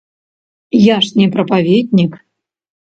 Я ж не прапаведнік.